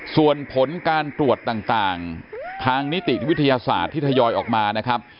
ส่วนผลการตรวจต่างทางนิติวิทยาศาสตร์ที่ทยอยออกมานะครับ